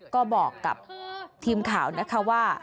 ก็บอกกับทีมข่าวนะคะว่า